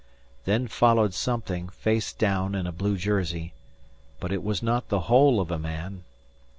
Then followed something, face down, in a blue jersey, but it was not the whole of a man.